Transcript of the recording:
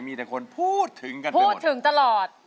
มีแต่คนพูดถึงกันไปหมดนะครับพูดถึงตลอด